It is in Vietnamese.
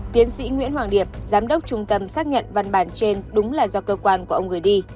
tiến sĩ nguyễn hoàng điệp giám đốc trung tâm xác nhận văn bản trên đúng là do cơ quan của ông gửi đi